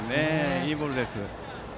いいボールでした。